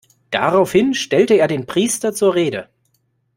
Daraufhin stellte er den Priester zur Rede.